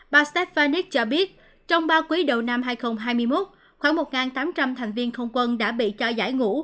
bà stét vaniq cho biết trong ba quý đầu năm hai nghìn hai mươi một khoảng một tám trăm linh thành viên không quân đã bị cho giải ngũ